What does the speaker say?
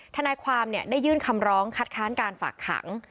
ทนายความได้ยื่นคำร้องคัดค้านการฝากขัง